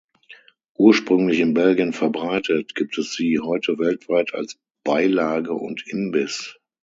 Ursprünglich in Belgien verbreitet, gibt es sie heute weltweit als Beilage und Imbiss.